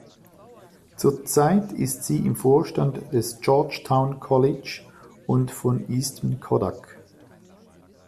Zurzeit ist sie im Vorstand des "Georgetown College" und von Eastman Kodak.